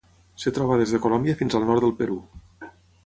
Es troba des de Colòmbia fins al nord del Perú.